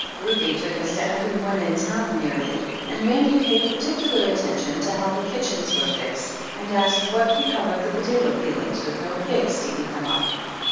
Rufe took us to every one in town nearly, and mammy paid particular attention to how the kitchens were fixed and asked what became of the potato peelings with no pigs to eat them up.